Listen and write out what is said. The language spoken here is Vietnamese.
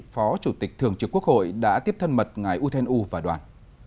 phó chủ tịch thường trực quốc hội đã tiếp thân mật ngài u thên u và đoàn